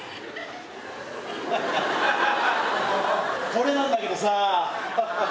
これなんだけどさ。